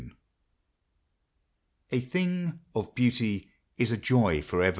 329 A THING OF BEAUTY IS A JOY FOREVER.